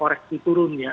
koreksi turun ya